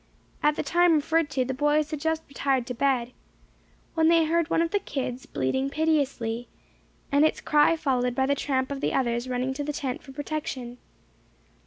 At the time referred to the boys had just retired to bed, when they heard one of the kids bleating piteously, and its cry followed by the tramp of the others running to the tent for protection.